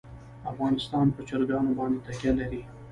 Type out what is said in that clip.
افغانستان په چرګان باندې تکیه لري.